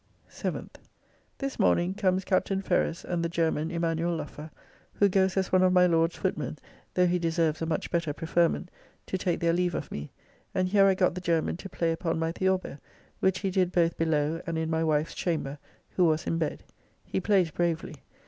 7th. This morning comes Captain Ferrers and the German, Emanuel Luffe, who goes as one of my Lord's footmen, though he deserves a much better preferment, to take their leave of me, and here I got the German to play upon my theorbo, which he did both below and in my wife's chamber, who was in bed. He plays bravely.